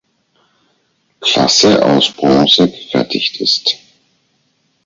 Klasse aus Bronze gefertigt ist.